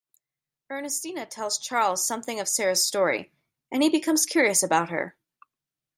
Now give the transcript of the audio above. Ernestina tells Charles something of Sarah's story, and he becomes curious about her.